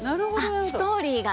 あっストーリーが。